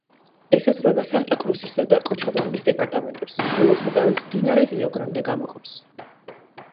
ესაზღვრება სანტა-კრუსისა და კოჩაბამბის დეპარტამენტებს, რომელთაგანაც მდინარე რიო-გრანდე გამოყოფს.